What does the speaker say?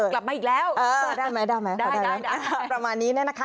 กลับมาอีกแล้วได้ไหมประมาณนี้นะคะ